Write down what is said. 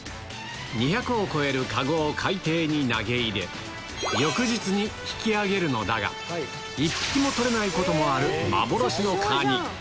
２００を超える籠を海底に投げ入れ、翌日に引き上げるのだが、１匹も取れないこともある幻のカニ。